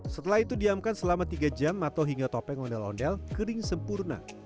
setelah itu diamkan selama tiga jam atau hingga topeng ondel ondel kering sempurna